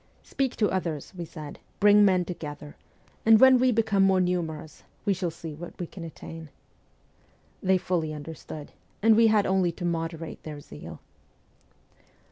' Speak to others,' we said ;' bring men together ; and when we become more numerous, we shall see what we can attain.' They fully understood, and we had only to moderate their zeal.